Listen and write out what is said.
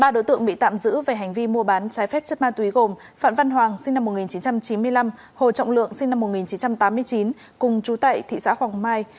ba đối tượng bị tạm giữ về hành vi mua bán trái phép chất ma túy gồm phạm văn hoàng sinh năm một nghìn chín trăm chín mươi năm hồ trọng lượng sinh năm một nghìn chín trăm tám mươi chín cùng chú tại thị xã hoàng mai